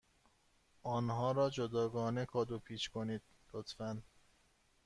آنها را جداگانه کادو پیچ کنید، لطفا.